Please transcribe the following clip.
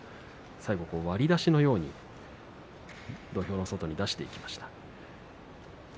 割り出しのように土俵の外に出していきました。